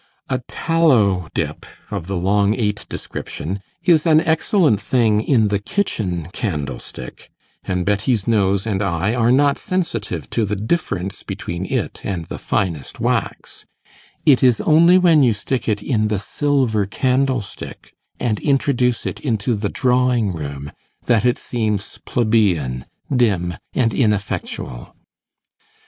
A tallow dip, of the long eight description, is an excellent thing in the kitchen candlestick, and Betty's nose and eye are not sensitive to the difference between it and the finest wax; it is only when you stick it in the silver candlestick, and introduce it into the drawing room, that it seems plebeian, dim, and ineffectual.